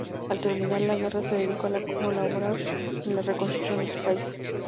Al terminar la guerra se dedicó a colaborar en la reconstrucción de su país.